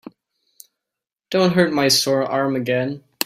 Don't hurt my sore arm again.